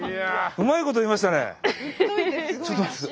うまいこと言いましたね。